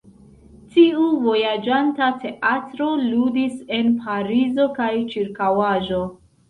Tiu vojaĝanta teatro ludis en Parizo kaj ĉirkaŭaĵo.